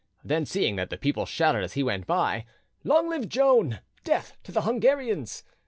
Then seeing that the people shouted as he went by, "Long live Joan! Death to the Hungarians!"